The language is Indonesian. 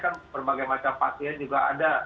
kan berbagai macam pasien juga ada